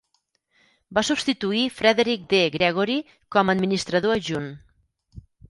Va substituir Frederick D. Gregory com a administrador adjunt.